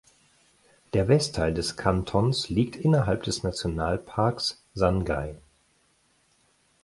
Der Westteil des Kantons liegt innerhalb des Nationalparks Sangay.